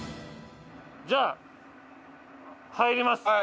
じゃあ入ります。